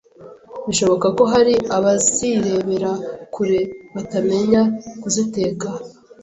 bishoboka ko hari abazirebera kure batamenya kuziteka,